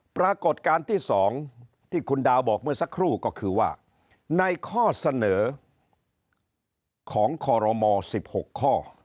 ปรากฏการณ์ที่๒ที่คุณดาวบอกเมื่อสักครู่ก็คือว่าในข้อเสนอของคอรมอ๑๖ข้อ